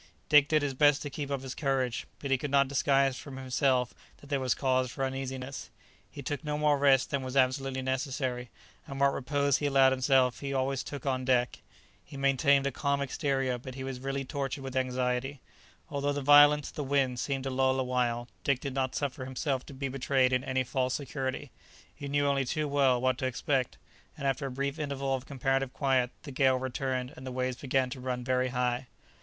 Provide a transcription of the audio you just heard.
Dick did his best to keep up his courage, but he could not disguise from himself that there was cause for uneasiness. He took no more rest than was absolutely necessary, and what repose he allowed himself he always took on deck; he maintained a calm exterior, but he was really tortured with anxiety. [Illustration: For half an hour Negoro stood motionless.] Although the violence of the wind seemed to lull awhile, Dick did not suffer himself to be betrayed into any false security; he knew only too well what to expect, and after a brief interval of comparative quiet, the gale returned and the waves began to run very high.